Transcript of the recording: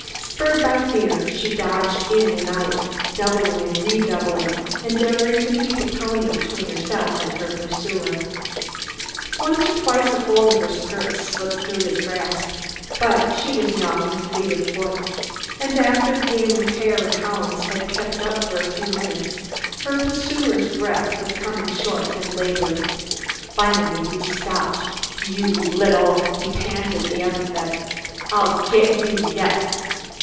Spurred by fear, she dodged in and out, doubling and redoubling, endeavoring to keep a pony between herself and her pursuer. Once or twice a fold of her skirt slipped through his grasp, but she was young and fleet of foot, and after the game of hare and hounds had kept up for a few minutes her pursuer's breath was coming short and labored. Finally, he stopped: "You little !" He panted the epithet. "I'll get you yet!"